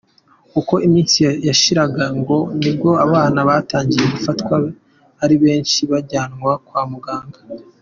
Uko iminsi yashiraga ngo nibwo abana batangiye gufatwa ari benshi bajyanwa kwa muganga.